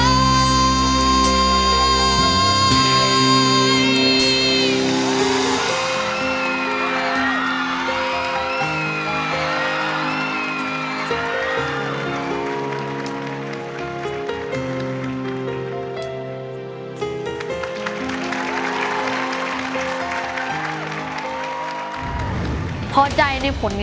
สักครั้งก็เอง